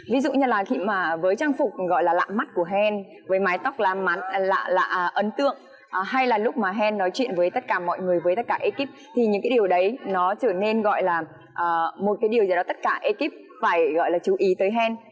ví dụ như là khi mà với trang phục gọi là lạ mắt của hen với mái tóc làm ăn lạ là ấn tượng hay là lúc mà hen nói chuyện với tất cả mọi người với tất cả ekip thì những cái điều đấy nó trở nên gọi là một cái điều gì đó tất cả ekip phải gọi là chú ý tới hen